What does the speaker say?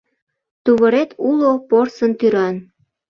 Тувырет уло порсын тӱран